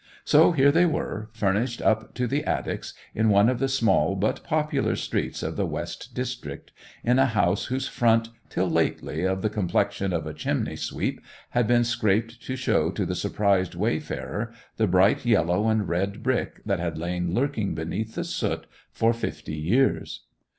So here they were, furnished up to the attics, in one of the small but popular streets of the West district, in a house whose front, till lately of the complexion of a chimney sweep, had been scraped to show to the surprised wayfarer the bright yellow and red brick that had lain lurking beneath the soot of fifty years.